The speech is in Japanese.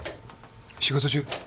仕事中？